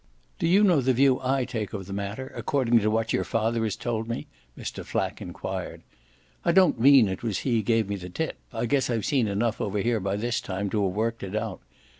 "Do you know the view I take of the matter, according to what your father has told me?" Mr. Flack enquired. "I don't mean it was he gave me the tip; I guess I've seen enough over here by this time to have worked it out.